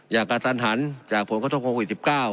อย่างการสันหันจากผลกระทบโครงคลุม๑๙